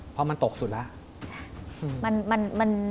พอมันตกสุดแล้ว